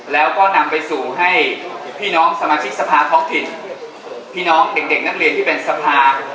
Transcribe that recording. แล้วก็นำไปสู่ให้พี่น้องสมาชิกสภาท้องถิ่นพี่น้องเด็กนักเรียนที่เป็นสภา